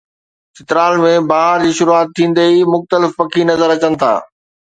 چترال ۾ بهار جي شروعات ٿيندي ئي مختلف پکي نظر اچن ٿا